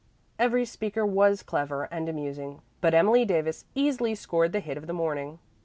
Every speaker was clever and amusing, but Emily Davis easily scored the hit of the morning.